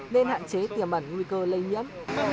nên hạn chế tiềm ẩn nguy cơ lây nhiễm